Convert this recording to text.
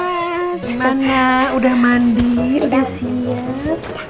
gimana udah mandi udah sih